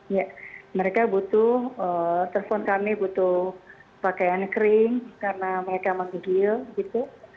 ya mereka butuh telepon kami butuh pakaian kering karena mereka menggigil gitu